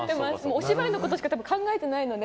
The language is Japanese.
お芝居のことしか考えてないので。